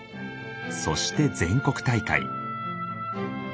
そして全国大会。